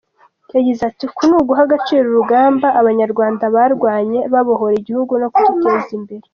Yagize ati “Uku ni uguha agaciro urugamba abanyarwanda barwanye babohora igihugu no kugiteza imbere.